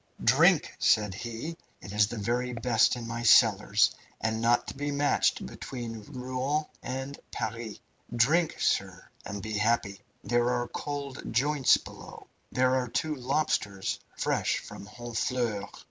"Drink!" said he. "It is the very best in my cellars, and not to be matched between Rouen and Paris. Drink, sir, and be happy! There are cold joints below. There are two lobsters, fresh from Honfleur.